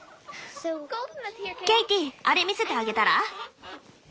ケイティあれ見せてあげたら？